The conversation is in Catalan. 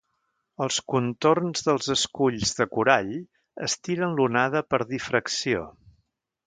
Els contorns dels esculls de corall estiren l'onada per difracció.